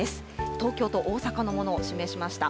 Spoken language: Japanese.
東京と大阪のものを示しました。